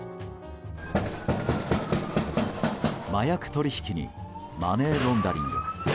麻薬取引にマネーロンダリング。